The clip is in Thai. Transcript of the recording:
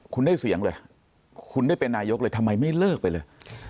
คุณได้เสียงเลยคุณได้เป็นนายกเลยทำไมไม่เลิกไปเลย